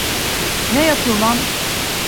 Ne yatı ulan?